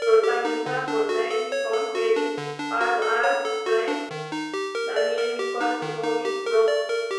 Protagonizada por Dwayne Johnson, Kevin Hart, Amy Ryan, Danielle Nicolet y Bobby Brown.